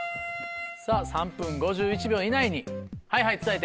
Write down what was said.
さぁ３分５１秒以内にはいはい伝えて。